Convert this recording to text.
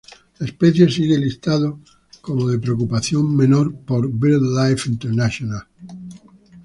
La especie sigue listado como de preocupación menor por Birdlife International.